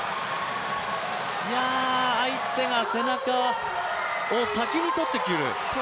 相手が背中を先に取ってくる。